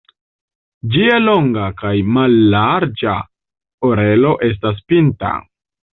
Ĝia longa kaj mallarĝa orelo estas pinta.